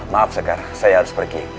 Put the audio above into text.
maaf sekarang saya harus pergi